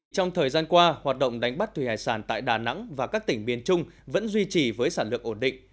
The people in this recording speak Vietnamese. trong thời gian qua hoạt động đánh bắt thủy hải sản tại đà nẵng và các tỉnh biên trung vẫn duy trì với sản lượng ổn định